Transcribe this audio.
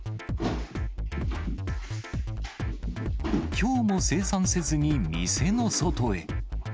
きょうも精算せずに店の外へ。